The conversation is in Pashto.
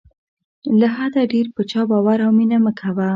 له حده ډېر په چا باور او مینه مه کوه.